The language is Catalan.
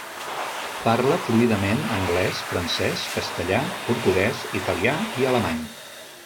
Parla fluidament anglès, francès, castellà, portuguès, italià i alemany.